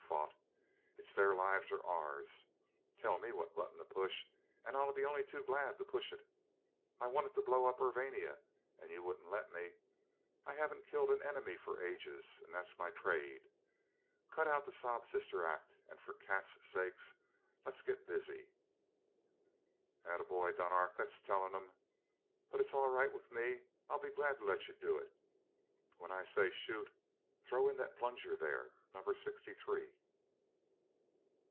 Faugh! It's their lives or ours! Tell me what button to push and I'll be only too glad to push it. I wanted to blow up Urvania and you wouldn't let me; I haven't killed an enemy for ages, and that's my trade. Cut out the sob sister act and for Cat's sake, let's get busy!" "'At a boy, Dunark! That's tellin' 'im! But it's all right with me I'll be glad to let you do it. When I say 'shoot' throw in that plunger there number sixty three."